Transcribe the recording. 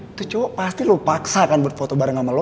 itu cowok pasti lo paksa kan buat foto bareng sama lo